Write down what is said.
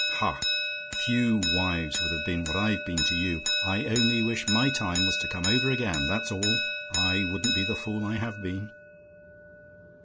Ha! few wives would have been what I've been to you. I only wish my time was to come over again, that's all; I wouldn't be the fool I have been.